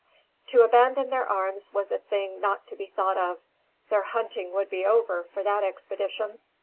To abandon their arms was a thing not to be thought of. Their hunting would be over for that expedition.